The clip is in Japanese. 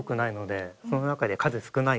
その中で。